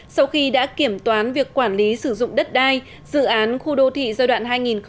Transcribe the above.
sau khi đã kiểm toán việc quản lý sử dụng đất đai dự án khu đô thị giai đoạn hai nghìn một mươi ba hai nghìn một mươi sáu